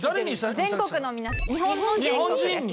全国の皆さん日本全国です。